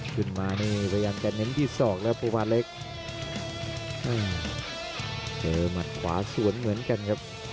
ขึ้นมานี่พยายามจะเน้นที่ศอกแล้วประมาณเล็กเจอหมัดขวาสวนเหมือนกันครับ